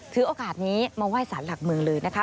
ถือโอกาสนี้มาไหว้สารหลักเมืองเลยนะคะ